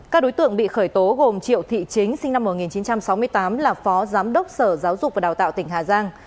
các đối tượng bị khởi tố gồm triệu thị chính sinh năm một nghìn chín trăm sáu mươi tám là phó giám đốc sở giáo dục và đào tạo tỉnh hà giang